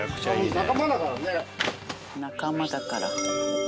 「仲間だから」。